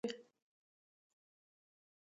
خټکی د معدې ستونزې کموي.